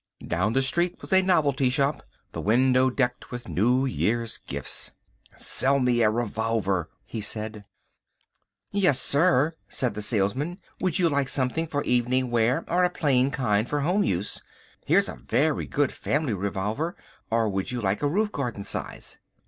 Down the street was a novelty shop, the window decked with New Year's gifts. "Sell me a revolver," he said. "Yes, sir," said the salesman. "Would you like something for evening wear, or a plain kind for home use. Here is a very good family revolver, or would you like a roof garden size?"